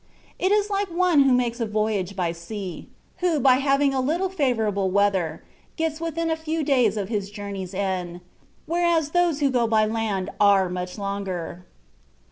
It is like one who makes a voyage by sea, who by having a little favourable weather gets within a few days of his joumey^s end ; whereas those who go by land are much longer.